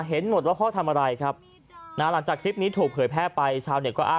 โหมันคือดาบสมุไรอ่ะ